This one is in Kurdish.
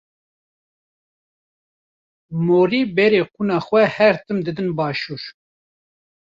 Morî berê kuna xwe her tim didin başûr.